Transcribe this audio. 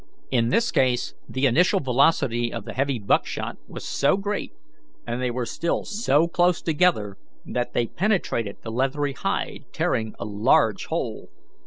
In this case the initial velocity of the heavy buckshot was so great, and they were still so close together, that they penetrated the leathery hide, tearing a large hole.